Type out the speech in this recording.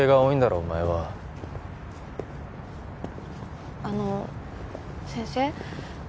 お前はあの先生